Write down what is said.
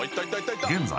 現在